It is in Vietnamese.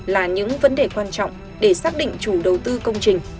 là những vấn đề quan trọng để xác định chủ đầu tư công trình